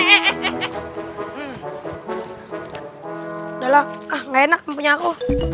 udah lah nggak enak tempanya aku